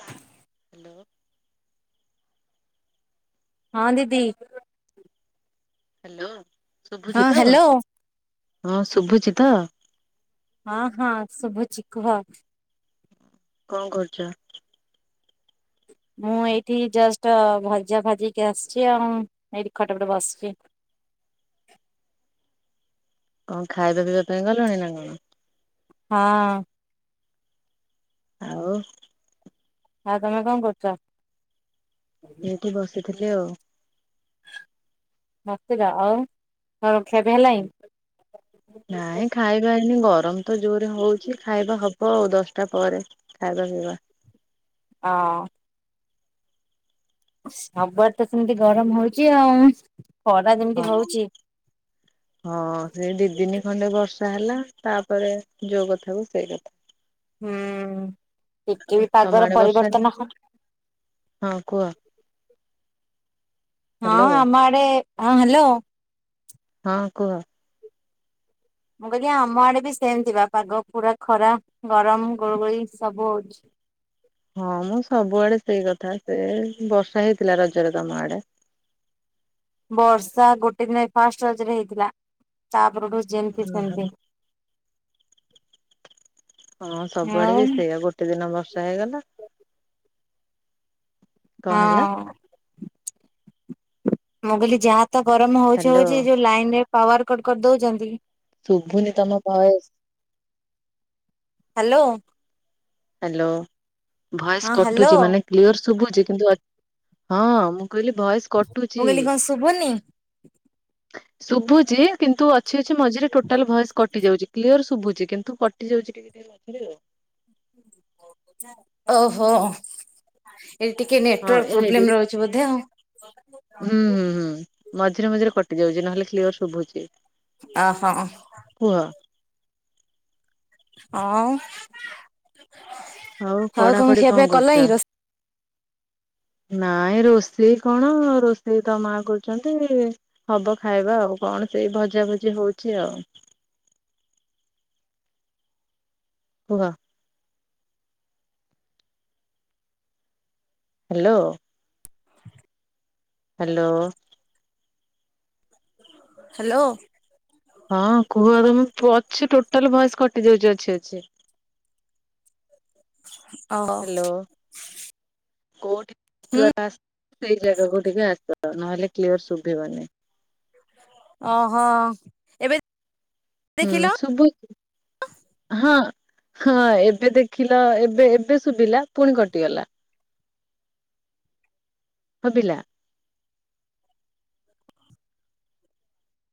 Hello. ହଁ, ଦିଦି। Hello- ହଁ ଶୁଭୁଛି, ତ? ହ୍ୟାଲୋ। ହଁ, ଶୁଭୁଛି ତ? ହଁ, ହଁ ଶୁଭୁଛି କୁହ। କଣ, କରୁଛ? ମୁଁ, ଏଇଠି ଜଷ୍ଟ ଭଜା ଭାଜିିକି, ଆସିଛି ଆଉ ୲ଏଇଠି ଖଟ, ପଟ ବସିଛି। କଣ, ଖାଇବା ପିଇବା ପାଇଁ ଗଲେଣି, ନା କଣ? ହଁ। ଆଉ। ଆଉ ତମେ, କଣ କରୁଛ? ଏଇଠି, ବସି ଥିଲି, ଆଉ ୲ [inaudible] ଆଉ। [inaudible] ନାଇଁ, ଖାଇବାହେଇନି ଗ ଗରମ, ତ ଜୋରରେ ହଉଛି, ଖାଇବା ହବ ଦଶଟା ପରେ ଖାଇବା, ପିଇବା। ହଁ, ସବୁଆଡ଼େ, ତ ସେମିତି ଗରମ ହଉଛି, ଆଉ। ଖରା ଯେମିତି ହଁ, ହଉଛି। ହଁ, ସେ ଦି, ଦିନି ଖଣ୍ଡେ ବର୍ଷ ହେଲା, ତାପରେ ଯୋଉ କଥା, କୁ ସେଇ କଥା। ହୁଁ, ଟିକେ ବି ତମ ପାଗର ଆଡେ ବର୍ଷା ପରିବର୍ତ୍ତନ, ହ ହଁ କୁହ ହଁ, ହ୍ୟାଲୋ ଆମଆଡେ ହଁ, ହ୍ୟାଲୋ। ହଁ, କୁହ। ମୁଁ, କହିଲି ଆମ ଆଡେ, ବି ସେମିତି ବା ପାଗ ପୁରା ଖରାପ, ଗରମ, ଗୁଳୁଗୁଳି, ସବୁ ହଉଛି। ହଁ, ମ ସବୁଆଡେ ସେଇ କଥା ୲ ସେ ବର୍ଷା ହେଇଥିଲା, ରଜରେ ତମ ଆଡେ? ବର୍ଷା, ଗୋଟେ ଦିନ ଫାଷ୍ଟ ରଜରେ, ହେଇଥିଲା ତା ଏପଟୁ, ଯେମିତି ଓହୋ। ସେମିତି ୲ ହଁ ସବୁଆଡେ ଆଉ ବି ସେଇଆ ଗୋଟେ ଦିନ ବର୍ଷା ହେଇଗଲା। କଣ ହେଲା ହଁ। ମୁ କହିଲି ଯା ତ ଗରମ ହଉଛି ହ୍ୟାଲୋ ହଉଛି ଯୋଉ ଲାଇନ ରେ। ପାୱାର କଟ କରିଦଉଛନ୍ତି। ଶୁଭୁନି ତମ voice. Hello. Hello. Voice hello କଟୁଛି ମାନେ କ୍ଲିଅର ଶୁଭୁଛି କିନ୍ତୁ। ହଁ। କହିଲି ଭଏସ ମୁଁ କଟୁଛି କହିଲି କଣ ଶୁଭୁନି? ଶୁଭୁଛି କିନ୍ତୁ ଅଛି ଅଛି ମଝିରେ ଟୋଟାଲ ଭଏସ କଟ କଟି ଯାଉଛି କ୍ଲିଅର ଶୁଭୁଛି କିନ୍ତୁ କଟି ଯାଉଛି ଟିକେ ଟିକେ ମଝିରେ ଆଉ। ଓହୋ। ଏଇ ଟିକେ ହଁ ନେଟୱାର୍କ ଏ ହେଇଟି ପ୍ରୋବ୍ଲେମ ରହୁଛି ବୋଧେ ଆଉ। ହୁଁ ଓହୋ ହୁଁ ହୁଁ। ମଝିରେ ମଝିରେ କଟି ଯାଉଛି ନହେଲେ କ୍ଲିଅର ଶୁଭୁଛି। ଅହ। କୁହ ହଁ। [inaudible] ଆଉ ପଢାପଢି କଣ କରୁଚ? ରୋଷେ ନାଇଁ ରୋଷେଇ କଣ ରୋଷେଇ ତ ମା କରୁଛନ୍ତି ହବ ଖାଇବା ଆଉ କଣ ସେଇ ଭଜା ଭଜି ହଉଛି ଆଉ। କୁହ। ହାଲୋ। ହାଲୋ। ହାଲୋ। ହଁ କୁହ ଏବେ ମୁଁ ପୁଅ ଅଛି ଟୋଟାଲ ଭଏସ କଟି ଯାଉଛି ଅଛି ଅଛି। ଓହ। କୋ [inaudible] [unintelligible] ସେଇ ଜାଗାକୁ ଟିକେ ଆସ ନହେଲେ କ୍ଲିୟର ଶୁଭିବନି। ଓହୋ ଏବେ ହୁଁ ଦେଖିଲ ସୁୁଭୁ ହଁ ହଁ ଏବେ ଦେଖିଲ ଏବେ ଏବେ ଶୁଭିଲା ପୁଣି କଟିଗଲା। ହବିଲା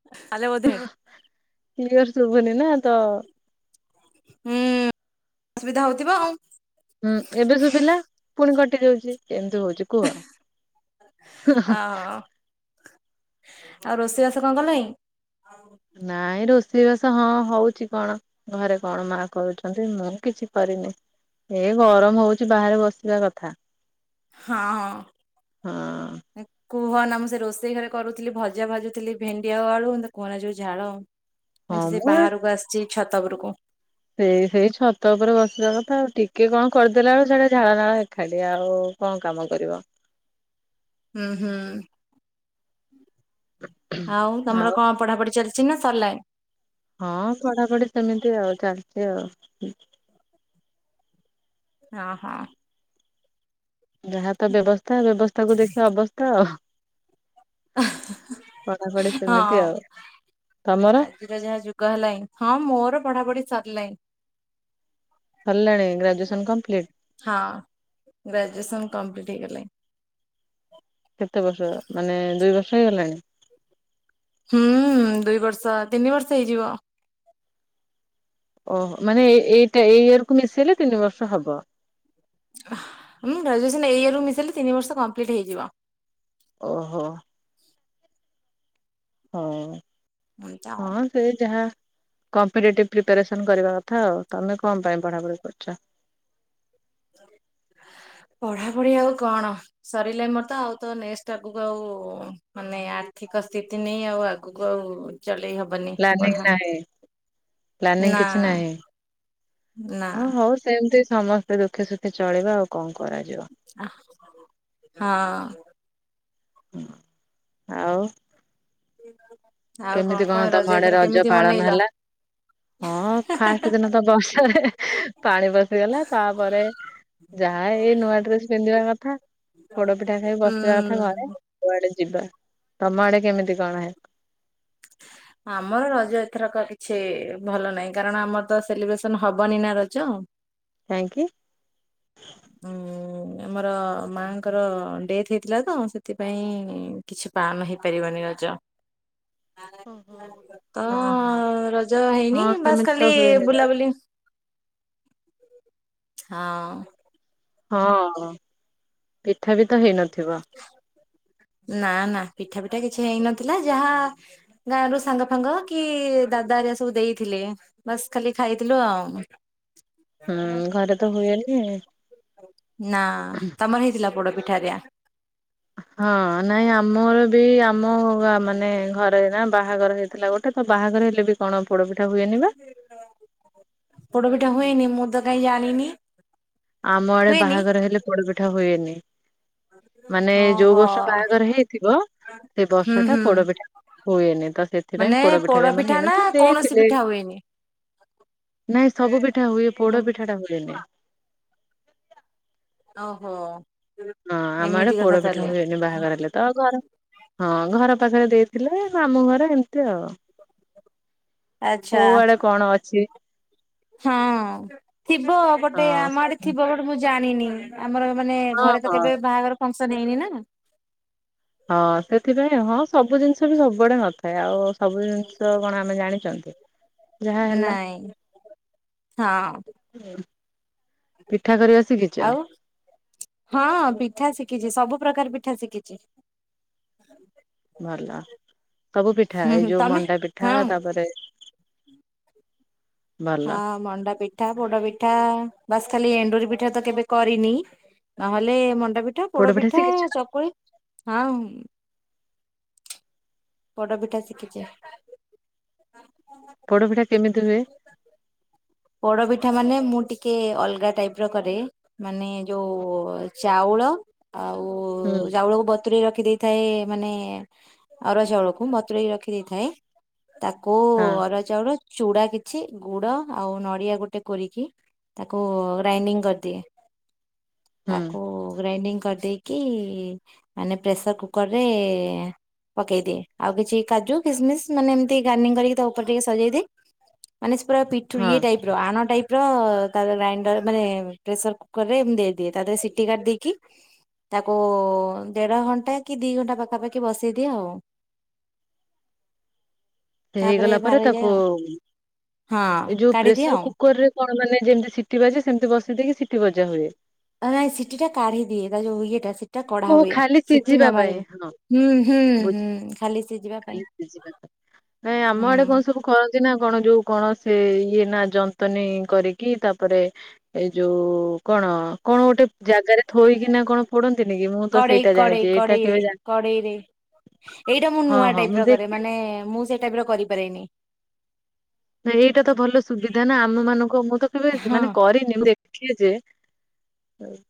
[unintelligible] [unintelligible] ଶୁଭୁନି ନା ତ ହୁଁ ଅସୁବିଧା ହଉଥିବ ଆଉ। ହୁଁ ଏବେ ଶୁଭିଲା ପୁଣି କଟି ଯାଉଛି କେମତି। ଦଉଚି କୁହ। ଅ ଆଉ ରୋଷେଇବାସ କଣ କଲନି। ନାଇଁ ରୋଷ ବସ ହଁ ହଉଛି କଣ ଘରେ କଣ ମା କରୁଛନ୍ତି ମୁଁ କିଛି କରିନି ଏ ଗରମ ହଉଛି ବାହାରେ ବସିବା କଥା। ହଁ ହଁ ହ, କୁହନା ମୁଁ ସେ ରୋଷେଇ ଘରେ କରୁଥିଲି ଭଜା ଭାଜୁଥିଲି ଭେଣ୍ଡିଆ ଆଳୁ କୁହନା ଯୋଉ ଝାଳ, ମ ହଁ ସେ ମୁଁ ବାହାରକୁ ଆସିଛି। ଛାତ ଉପରକୁ। ସେଇ ସେଇ ଛତ ଉପରେ ବସିବା କଥା ଆଉ ଟିକେ କଣ କରିଦେଲା ବେଳୁ ସେଇଟା ଝାଳ ନାଳ ଏକାଠି ଆଉ କଣ କାମ କରିବ। ହୁଁ ହୁଁ, ଆଉ ତମର କଣ ପଢା ପଢି ଚାଲିଛି। ଦିନ ସରିଲାଏ ହଁ ପଢାପଢି ସେମିତି ଆଉ ଚାଲିଛି ଆଉ ହ ହଁ, ଯାହା ତ ବ୍ୟବସ୍ଥା ବ୍ୟବସ୍ଥା କୁ ଦେଖି ଅବସ୍ଥା ଆଉ। ପଢାପଢି ସେମିତି ହଁ ଆଉ ତମର ଆଜିର ଯାହା ଯୁଗ ହେଲାଣି ହଁ ମୋର ପଢା ପଢି ସରିଲାଣି। ସରିଲାଣି ଗ୍ରାଜୁଏସନ କମ୍ପ୍ଲିଟ ହଁ ଗ୍ରାଜୁଏସନ କମ୍ପ୍ଲିଟ ହେଇଗଲା। [inaudible] କେତେ ବର୍ଷ ମାନେ ଦୁଇ ବର୍ଷ ହେଇଗଲାଣି। ହୁଁ ଦୁଇ ବର୍ଷ ତିନି ବର୍ଷ ହେଇଯିବ। ଓହୋ ମାନେ ଏଇଟା ଏଇ ଇୟରକୁୁ ମିଶେଇଲେ ତିନି ବର୍ଷ ହବ। ମୁ ଗ୍ରାଜୁଏସନ ଏଇ ଇୟରକୁ ମିଶାଇଲେ ତିନି ବର୍ଷ କମ୍ପ୍ଲିଟ ହେଇଯିବ। ଓହୋ ହଁ ଏମତି ଆଉ। ହଁ ସେଯାହା, କମ୍ପିଟେଟିଭ ପ୍ରିପାରେସନ କରିବା କଥା ଆଉ ତମେ କଣ ପାଇଁ ପଢା ପଢି କରୁଛ। ପଢାପଢି ଆଉ କଣ ସରିଲେ ମୋର ତ ଆଉ ତ ନେଷ୍ଟ ଆଗକୁ ଆଉ ମାନେ ଆର୍ଥିକ ସ୍ଥିତି ନେଇ ଆଉ ଆଗକୁ ଆଉ ଚଲେଇ ହବନି ପ୍ଲାନିଂ ପଢା ନାହିଁ ନା କିଛି ନାଁ ନା ହଁ ହଉ ସେମତି। ସମସ୍ତେ ଦୁଖେ ସୁଖୀ ଚଳେଇିବା ଆଉ କଣ କର ହଁ, ହ ଆଉ, ହ, କେମିତି କଣ ତମ ଆଡେ ରଜ ପାଳନ ହେଲା ହଁ ଫାଷ୍ଟ ଦିନ ତ ବର୍ଷାରେ ପାଣି ବସିିଗଲା ତାପରେ ଯାହା ଏଇ ନୂଆ ଡ୍ରେସ ପିନ୍ଧିବା କଥା ପୋଡ ପିଠା ଖାଇ ବସିବା କଥା ଘରେ ହୁଁ କୁଆଡେ ଯିବା, ତମ ଆଡେ କେମିତି କଣ ହେ ଆମର ରଜ ଏଥରକ କିଛି ଭଲ ନାହିଁ କାରଣ ଆମର ତ ସେଲିବ୍ରେସନ ହବନି ନା ରଜ, କାଇଁକି? ଉଁ ଆମର ମା ଙ୍କର ଡେଥ୍ ହେଇଥିଲା ତ ସେଥିପାଇଁ କିଛି ପାନ୍ ହେଇପାରିବନି ରଜ। ଓହୋ। ତ ହଁ ହଁ ରଜ ହେଇନି ହଁ ବାସ ସେମିତି ଖାଲି ତ ହୁଏନି ନା ବୁଲାବୁଲି। ହଁ। ହଁ ପିଠା ପି ତ ହେଇନଥିବ। ନା ନା ପିଠା ପିଠା କିଛି ହେଇନଥିଲା ଯାହା ଗାଁ ର ସାଙ୍ଗ ଫାଙ୍ଗ କି ଦାଦା ଆରିଆ ସବୁ ଦେଇଥିଲେ ବାସ୍ ଖାଲି ଖାଇଥିଲୁ ଆଉ। ହୁଁ ଘରେ ତ ହୁଏନି। ହୁଁ। ନା ତମର ହେଇଥିଲା ପୋଡ ପି [unintelligible] ହଁ ନାଇଁ ଆମର ବି ଆ ମୋ ଗାଁ ମାନେ ଘରେ ନା ବାହାଘର ହେଇଥିଲା ଗୋଟେ ତ ବାହାଘର ହେଲେ ବି କଣ? ପୋଡପିଠା ହୁଏନି ବା ପୋଡପିଠା ହଏନି। ମୁଁ ତ କାଇହିଁ ଜାଣିନି। ଆମ ଆଡେ ହୁଏନି ବାହାଘର ହେଲେ ପୋଡ଼ ପିଠା ହୁଏ। ଉଁ। ମାନେ ଯୋଉ ଓହୋ ବର୍ଷ ବାହାଘର ହେଇଥିବ ସେ ହୁଁ ବର୍ଷଟା ପୋଡପିଠା ହୁଁ। ହୁଏନି ତ ମାନେ ସେଥିପାଇଁ ପୋଡପିଠା ପୋଡ ବି ଆମର ପିଠା ନା ହେଇନଥିଲା କୌଣସି ଦେଇଥିଲେ। ପିଠା ହୁଏନି? ନାଇଁ ସବୁ ପି ଠା ହୁଏ ପୋଡ଼ ପିଠାଟା ହୁଏନି। ଓହୋ। ହଁ ଆମ ଆଡ଼େ ଏମିତି କଥା ପୋଡପିଠା ତାହେଲେ। ହୁଏନି ବାହାଘର ହେଲେ ତ ଘର ହଁ ଘର ପାଖରେ ଦେଇ ଥିଲେ ମାମୁଁ ଘରେ ଏମିତି ଆଉ। ଆଚ୍ଛା। କୋଉ ଆଡ଼େ କଣ ଅଛି। ହଁ। ଥିବ ବଟ୍ ଏ ହଁ ଆମ ଆଡ଼େ ସବୁ ଥିବ ବଟ୍ ମୁଁ ଜାଣି ନାଇଁ ନାଇଁ ଆମର ମାନେ ହଁ ଘରେ ତ ହଁ କେବେ ବାହାଘର ଫ ସନ୍ ହେଇନି ନାଁ। ହଁ ସେଥିପାଇଁ ହଁ ସବୁ ଜିନିଷ ଥ ବି ସବୁଆଡେ ନଥାଏ ଆଉ ସବୁ ଜିନିଷ କଣ ଆମେ ଜାଣି ଚନ୍ତି। ନାଇଁ ହଁ। [unintelligible] ଶିଖିଛ ଆଉ ହଁ ପିଠା ଶିକିଚି ସବୁ ପ୍ରକାର ପି ଠା ଶିକିଚି। ଭଲ ସବୁ ପିଠା ହୁଁ ଏଇ ହୁଁ ଯୋଉ ତମେ ମଣ୍ଡା ପିଠା ହଁ। ତାପରେ ଭଲ ହଁ ମଣ୍ଡା ପିଠା ପୋଡ଼ ପିଠା। ବାସ୍ ଖାଲି ଏଣ୍ଡୁରି ପିଠା ତ କେବେ କରିନି ନହେଲେ ମ ଡା ପିଠା ପୋଡ ପୋଡ଼ପିଠା ଶିଖିଛ ଚକୁଳି ହଁ। ପୋଡପିଠା ଶିଖିଚି। ପୋଡ ପିଠା କେମିତି ହୁଏ ପୋଡପିଠା ମାନେ ମୁଁ ଟିକେ ଅଲଗା ଟାଇପର କରେ ମାନେ ଯୋଉ ଚାଉଳ ଆଉ ହୁଁ ଚାଉଳକୁ ବତୁରେଇ ରଖି ଇ ଦେଇଥାଏ ମାନେ ଅରୁଆ ଚାଉଳକୁ ବତୁରେଇ ରଖି ଦେଇଥାଏ। ତାକୁ ହଁ ଅରୁଆ ଚାଉଳ ଚୁଡ଼ା କିଛି ଗୁଡ଼ ଆଉ ନଡ଼ିଆ ଗୋଟେ କୋରିକି ତାକୁ ଗ୍ରାଇଣ୍ଡିଙ୍ଗ କରିଦିଏ। ହୁଁ ତାକୁ ଗ୍ରାଇଣ୍ଡିଙ୍ଗ କରିଦେଇକି ଇ ମାନେ ପ୍ରେସର କୁକର୍ ରେ ଏ ପକେଇଦିଏ, ଆଉ କିଛି କାଜୁ, କିସମିସ୍ ମାନେ ଏମିତି ଗାର୍ନୀଙ୍ଗ କରିକି ତା ଉପରେ ଟିକେ ସଜେଇଦିଏ ମାନେ ସେ ପୁରା ତୁ ହଁ ଇଏ ଟାଇପ୍ ର ଆଣ ଟାଇପ୍ [unintelligible] ଗ୍ରାଇଣ୍ଡର ମାନେ ପ୍ରେସର କୁକରରେ ଏମିତି ଦେଇଦିଏ ତା ଦେହରେ ସିଟି କାଢି ଦେଇକି ତାକୁ ଦେଢ ଘଣ୍ଟା କି ଦି ଘଣ୍ଟା ପାଖାପାଖି ବସେଇ ଦିଏ ଆଉ। ତାପରେ ହେଇଗଲା ପରେ ଭାର ହେଇଯାଏ ତାକୁ ଆଉ ହଁ ଏ ଯୋଉ କାଢିଦିଏ ପ୍ରେସର ଆଉ। କୁକର ରେ କଣ ମାନେ ଯେମିତି ସିଟି ବାଜେ ସେମିତି ବସେଇ ଦେଇକି ସିଟି ବଜା ହୁଏ। ଆ ନାଇଁ ସିଟି ଟା କାଢି ଦିଏ ତା ଯଉ ଇଏଟା ସିଟ୍ ହ ଖାଲି ସିଝିବା ପାଇଁ ହଁ ହୁଁ ହୁଁ ବୁଝ୍ ହୁଁ ଖାଲି ସିଝିବା ପାଇଁ। ଖାଲି ସିଝିବା ପାଇଁ ନାଇ ଆମ ଆଡେ କଣ ହୁଁ। ସବୁ କରନ୍ତି ନା କଣ ଯୋଉ କଣ ସେ ଏ ଇଏ ନା ଯନ୍ତନୀ କରିକି ତାପରେ ଏ ଯୋ ଓ କଣ ଅ କଣ ଗୋଟେ ଜାଗାରେ ଥୋଇକିନା କଣ ପୋଡନ୍ କଡେଇ କଡେଇ କଡେଇରେ କଡେଇରେ ଏଇଟା ମୁଁ ହଁ ନୂଆ ହଁ ଟାଇପ୍ ମୁଁ ର କରେ ଦେଖି ମାନେ ଏ ମୁଁ ସେ ଟାଇପ୍ ର କରିପାରେନି। ନାଇ ଏଇଟା ତ ଭଲ ସୁବିଧା ନା ଆମ ମାନଙ୍କୁ, ମୁଁ ତ କେବେ ହଁ ମାନେ କରିନି ମୁ ଦେଖିଛି।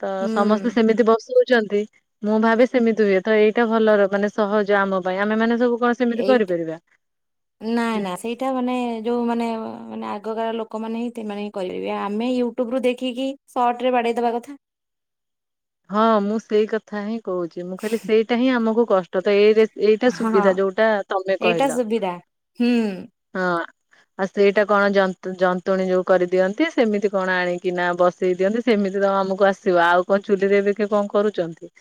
ତ ହୁଁ ସମସ୍ତେ ସେମିତି ବସ ଚନ୍ତି ମୁଁ ଭାବେ ସେମିତି ହୁଏ ତ ଏଇଟା ଭଲର ମାନେ ସହଜ ଆମ ପାଇଁ ଆମେ ମାନେ ସବୁ କଣ ସେମିତି କରିପାରିବା। ଏଇଟା ନା ନା ସେଇଟା ମାନେ ଯଉମାନେ ମାନେ ଆଗକାଳ ଲୋକମାନେ ହିଁ ତେମାନେ କରିପାରିବେ ଆମେ ୟୁଟୁବ୍ ରୁ ଦେଖିକି ସର୍ଟରେ ବାଡ଼େଇ ଦବା କଥା। ହଁ ମୁଁ ସେଇ କଥା ହିଁ କହୁଚି ମୁଁ ଖାଲି ସେଇଟା ହିଁ ଆମକୁ କଷ୍ ତ ଏଇ ଜେ ଏଇଟା ହଁ ସୁବିଧା ଯୋଉଟା ତମେ ଏଇଟା କହିଲ ସୁବିଧା ହୁଁ ହଁ। ଆଉ ସେଇଟା କଣ ଜନ୍ତୁ ଜନ୍ତୁଣୀ ଯୋଉ କରିଦିଅନ୍ତି। ସେମିତି କଣ ଆଣିକି ନା ବସେଇ ଦିଅନ୍ତି ସେମିତି ତ ଆମକୁ ଆସିବ ଆଉ କ ଚୁଲିରେ ବିି କିଏ କଣ କରୁଚନ୍ତି?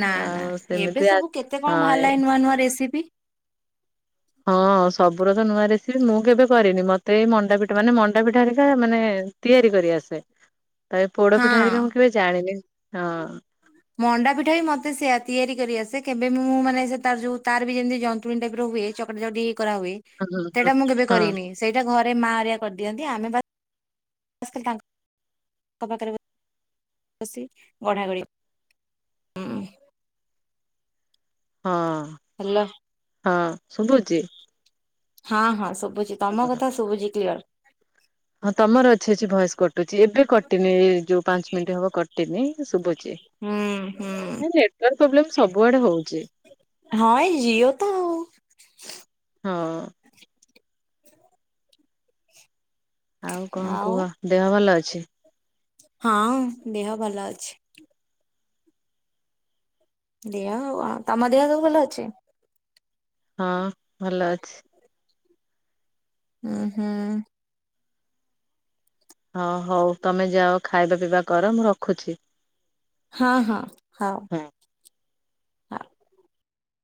ନା ନା ଏବେ ସବୁ କେତେ କଣ ହଁ ଏ ବାହାରଲାଣି ନୂଆ ନୂଆ ରେସିପି। ହଁ ସବୁର ତ ନୂଆ ରେସିପି ମୁଁ କେବେ କରିନି ମତେ ଏଇ ମଣ୍ଡାପିଠା ମାନେ ମଣ୍ଡାପିଠା ହେରିକା ମାନେ ତିଆରି କରି ଆସେ ତ ଏ ପୋଡ ପିଠା ହେରିକା ମୁଁ ହଁ। କେବେ ଆଣିଲି ହଁ। ମଣ୍ଡା ପିଠା ବି ମତେ ସେୟା ତିଆରି କରିଆସେ କେବେ ମୁଁ ମାନେ ସେ ତାର ଯୋଉ ତାର ବି ଯେମିତି ଜନ୍ତୁଣୀ ଟାଇପ୍ ର ହୁଏ ଚକଟି ଚକଟି କରା ହୁଏ ହଁ ହଁ ସେଟା ମୁଁ କେବେ କରିନି ସେଇଟା ଘରେ ମା ହେରା କରଦିଅନ୍ତି ଆମେ ବା ଶ୍ ଖାଲି ତାଙ୍କ୍ ଙ୍କ ପାଖରେ ଅସି ଗଢା ଗଡ଼ିି ହୁଁ। ହଁ। ହେଲା। ଶୁବୁଚି? ହଁ ହଁ ସୁବୁ ଚି ତମ କଥା ଶୁବୁଚି କ୍ଲିୟର। ହଁ ତମର ଅଛି ଅଛି ଭଏସ କଟ୍ କଟୁଚି ଏବେ କଟିନି ଏଇ ଯୋଉ ପାଞ୍ଚ ମିନିଟ୍ ହବ କ ଟିନି ଶୁବୁ ହୁଁ ହୁଁ ପ୍ରୋବ୍ଲେମ ସବୁଆଡେ ହଉଛି ହଁ ଏଇ ଜିଓ ତ। ହଁ। ଆଉ କଣ ଆଉ କୁହ ଦେହ ଭଲ ଅ ଛି। ହଁ ଦେହ ଭଲ ଅଛି। ଦେହ ଆଉ କଣ ତମ ଦେହ ସବୁ ଭଲ ଅଛି? ହଁ ଭଲ ଅଛି। ହୁଁ ହୁଁ। ହଁ ହଉ ତମେ ଯାଅ ଖାଇବା ପିଇବା କର ମୁଁ ରଖୁଚି। ହଁ ହଁ ହଁ।